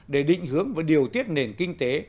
để định hướng và điều tiết nền kinh tế